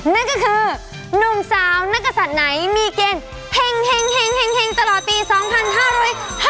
นั่นก็คือหนุ่มซ้าวนักกะสัดไหนมีเกณฑ์เฮ้งตลอดปี๒๕๕๙ฮ่าว